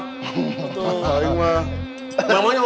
tidak ada yang mau menang